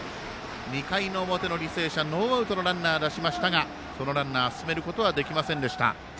２回の表の履正社ノーアウトのランナー出しましたがそのランナー進めることはできませんでした。